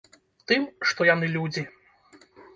Тым, што яны людзі.